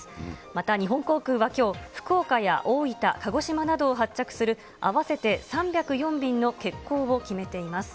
また日本航空はきょう、福岡や大分、鹿児島などを発着する合わせて３０４便の欠航を決めています。